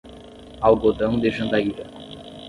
Algodão de Jandaíra